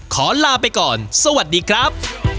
ขอลาไปก่อนสวัสดีครับ